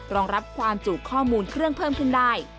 รองรับความจุข้อมูลเครื่องเพิ่มขึ้นได้